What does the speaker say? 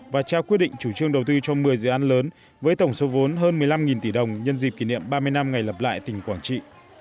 và trao quyết định chủ trương đầu tư cho một mươi dự án lớn với tổng số vốn hơn một mươi năm tỷ đồng nhân dịp kỷ niệm ba mươi năm ngày lập lại tỉnh quảng trị